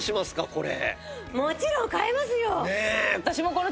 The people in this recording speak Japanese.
これ。